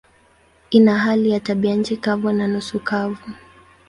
Ina hali ya tabianchi kavu na nusu kavu.